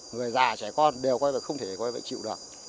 người già trẻ con đều không thể chịu được